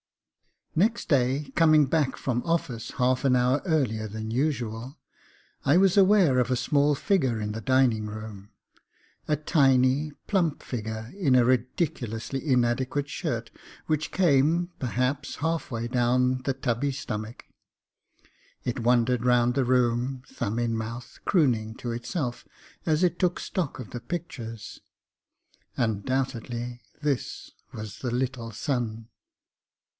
Next day, coming back from office half an hour earlier than usual, I was aware of a small figure in the dining room a tiny, plump figure in a ridiculously inadequate shirt which came, perhaps, halfway down the tubby stomach. It wandered round the room, thumb in mouth, crooning to itself as it took stock of the pictures. Undoubtedly this was the 'little son.'